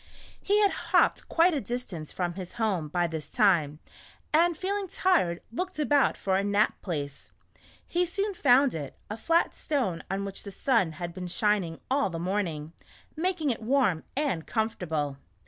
He had hopped quite a distance from his home by this time, and feeling tired, looked about for a nap place. He soon found it — a flat stone on which the sun had been shining all the morning, making it warm and comfortable.